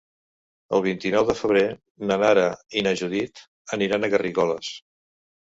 El vint-i-nou de febrer na Nara i na Judit aniran a Garrigoles.